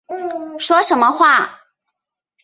说什么话